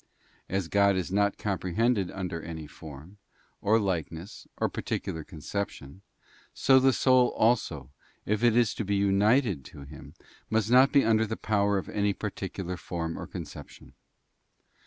As God is not comprehended under any form, or likeness, or particular conception, so the soul also, if it is to be united to Him, must not be under the power of any par ticular form or conception.